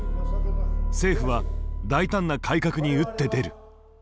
政府は大胆な改革に打って出る。